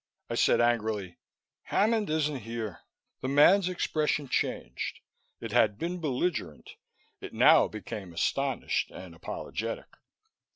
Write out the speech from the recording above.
I said angrily, "Hammond isn't here!" The man's expression changed. It had been belligerent; it now became astonished and apologetic.